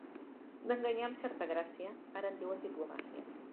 D'enganyar amb certa gràcia, ara en diuen diplomàcia.